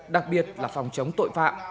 đặc biệt là phòng chống tội phạm